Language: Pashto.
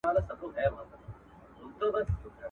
راسه راسه شل کلنی خوله خوله پر خوله باندی راکښېږده ..